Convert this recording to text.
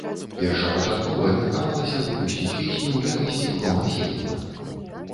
Першапачаткова меркавалася выпусціць песню ў якасці прома-сінгла.